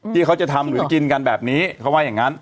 ที่เขาจะทำหรือกินกันแบบนี้เขาว่าอย่างนั้น